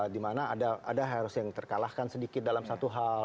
dimana ada yang harus terkalahkan sedikit dalam satu hal